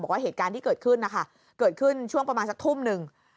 บอกว่าเหตุการณ์ที่เกิดขึ้นนะคะเกิดขึ้นช่วงประมาณสักทุ่มหนึ่ง